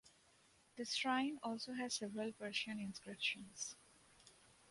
The shrine also has several Persian inscriptions.